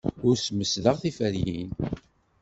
Ur smesdeɣ tiferyin.